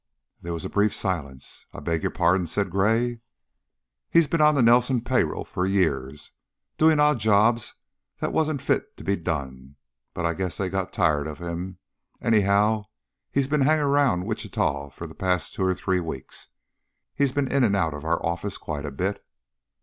There was a brief silence. "I beg pardon?" said Gray. "He's been on the Nelson pay roll for years doing odd jobs that wasn't fit to be done. But I guess they got tired of him, anyhow he's been hanging around Wichita for the last two or three weeks. He's been in an out of our office quite a bit."